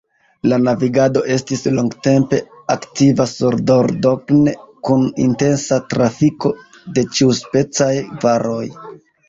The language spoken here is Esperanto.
La navigado estis longtempe aktiva sur Dordogne, kun intensa trafiko de ĉiuspecaj varoj.